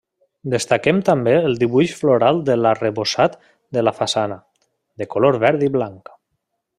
Destaquem també el dibuix floral de l'arrebossat de la façana, de color verd i blanc.